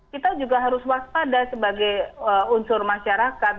kita juga harus waspada sebagai unsur masyarakat